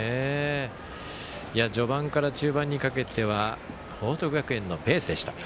序盤から中盤にかけては報徳学園のペースでした。